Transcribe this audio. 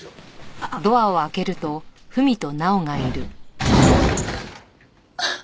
あっあっ。